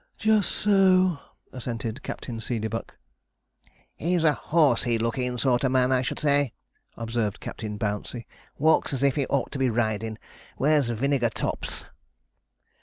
'Just so,' assented Captain Seedeybuck. 'He's a horsey lookin' sort o' man, I should say,' observed Captain Bouncey, 'walks as if he ought to be ridin' wears vinegar tops.'